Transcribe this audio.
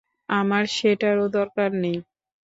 আমার সেটারও দরকার নেই।